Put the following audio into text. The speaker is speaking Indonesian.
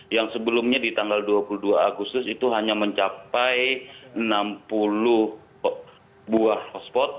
yang sebelumnya di tanggal dua puluh dua agustus itu hanya mencapai enam puluh buah hotspot